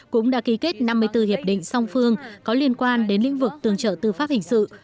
cũng đã ký kết năm mươi bốn hiệp định song phương có liên quan đến lĩnh vực tương trợ tư pháp hình sự